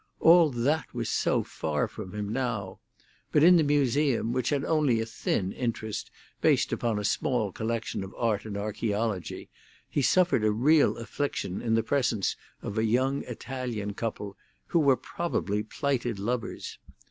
All that was so far from him now; but in the Museum, which had only a thin interest based upon a small collection of art and archeology, he suffered a real affliction in the presence of a young Italian couple, who were probably plighted lovers.